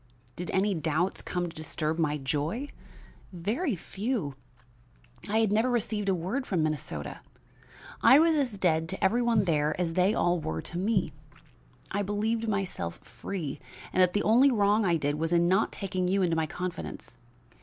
"Did any doubts come to disturb my joy? Very few. I had never received a word from Minnesota. I was as dead to every one there as they all were to me. I believed myself free and that the only wrong I did was in not taking you into my confidence.